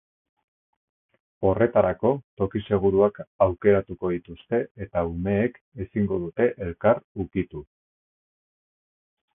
Horretarako, toki seguruak aukeratuko dituzte eta umeek ezingo dute elkar ukitu.